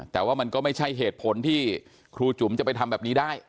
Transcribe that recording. แต่ว่ามันก็ไม่ใช่เหตุผลที่ครูจุ๋มจะไปทำแบบนี้ได้